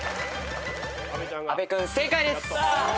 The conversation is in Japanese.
阿部君正解です！